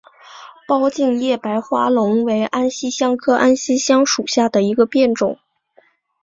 抱茎叶白花龙为安息香科安息香属下的一个变种。